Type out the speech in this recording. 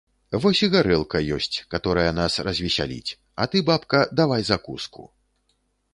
Вось і гарэлка ёсць, каторая нас развесяліць, а ты, бабка, давай закуску.